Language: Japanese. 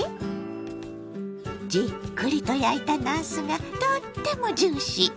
じっくりと焼いたなすがとってもジューシー。